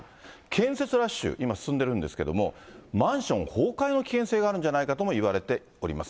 建設ラッシュ、今、進んでるんですけれども、マンション崩壊の危険性があるんじゃないかともいわれております。